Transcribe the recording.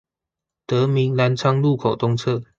德民藍昌路口東側